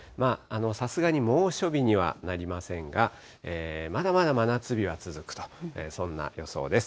さすがに猛暑日にはなりませんが、まだまだ真夏日は続くと、そんな予想です。